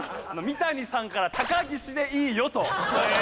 三谷さんから「高岸でいいよ！」と。へえ！